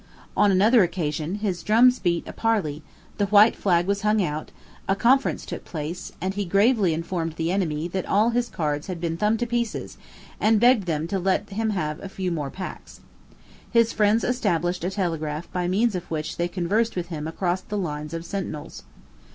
On another occasion, his drums beat a parley: the white flag was hung out: a conference took place; and he gravely informed the enemy that all his cards had been thumbed to pieces, and begged them to let him have a few more packs. His friends established a telegraph by means of which they conversed with him across the lines of sentinels.